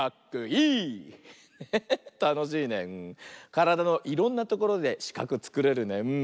からだのいろんなところでしかくつくれるね。